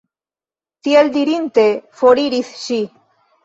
Tiel dirinte, foriris ŝi.